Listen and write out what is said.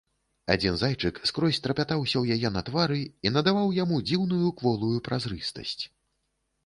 Адзін зайчык скрозь трапятаўся ў яе на твары і надаваў яму дзіўную кволую празрыстасць.